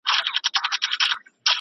د پیرانو په خرقوکي شیطانان دي ..